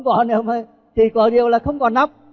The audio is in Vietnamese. chỉ có điều là không có nắp